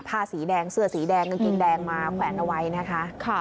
ผ้าสีแดงเสื้อสีแดงกางเกงแดงมาแขวนเอาไว้นะคะ